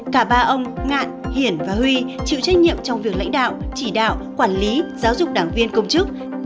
cả ba ông ngạn hiển và huy chịu trách nhiệm trong việc lãnh đạo chỉ đạo quản lý giáo dục đảng viên công chức